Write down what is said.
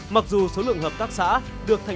mặc dù số lượng hợp tác xã được tăng